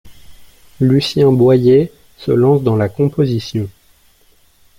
Lucien Boyer se lance dans la composition.